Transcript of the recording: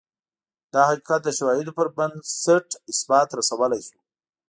دا حقیقت د شواهدو پربنسټ اثبات رسولای شو.